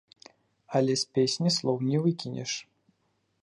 Але з песні слоў не выкінеш.